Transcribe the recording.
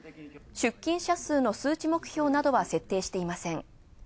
出勤者数の数値目標は設定していません。